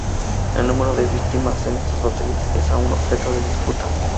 El número de víctimas en estas batallas es aún objeto de disputa.